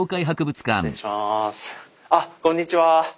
あっこんにちは。